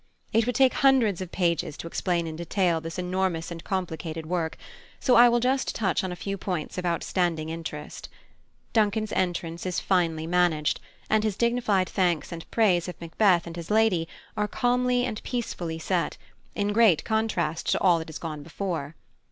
It would take hundreds of pages to explain in detail this enormous and complicated work, so I will just touch on a few points of outstanding interest. Duncan's entrance is finely managed, and his dignified thanks and praise of Macbeth and his lady are calmly and peacefully set, in great contrast to all that has gone before.